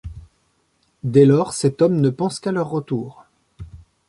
Dès lors cet homme ne pense qu'à leur retour.